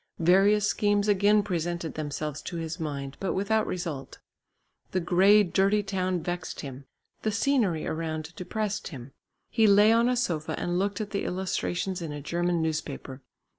Various schemes again presented themselves to his mind, but without result. The grey dirty town vexed him, the scenery around depressed him; he lay on a sofa and looked at the illustrations in a German newspaper.